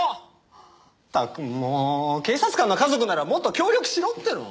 まったくもう警察官の家族ならもっと協力しろっての！